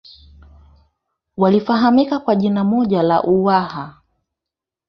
walifahamika kwa jina moja la Uwaha